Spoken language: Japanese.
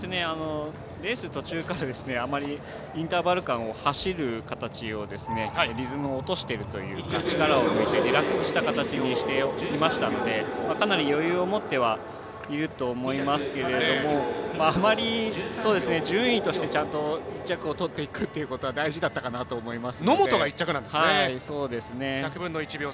レース途中からあまりインターバル間を走る形をリズムを落としているというか力を抜いてリラックスした形にしていましたのでかなり余裕をもってはいると思いますけれどもあまり順位としてちゃんと１着をとっていくということは大事だったかなと思います。